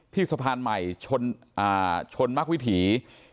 สะพานใหม่ชนมักวิถี